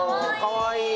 かわいい！